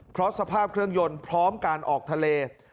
เพราะสภาพเครื่องยนต์พร้อมการออกทะเล